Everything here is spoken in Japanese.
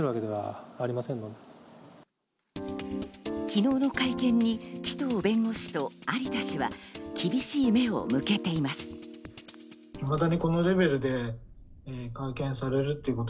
昨日の会見に紀藤弁護士と有田氏は厳しい目を向けています。